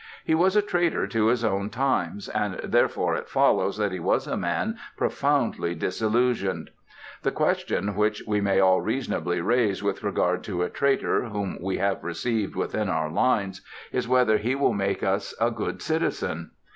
He was a traitor to his own times, and therefore it follows that he was a man profoundly disillusioned. The question which we may all reasonably raise with regard to a traitor whom we have received within our lines is whether he will make us a good citizen.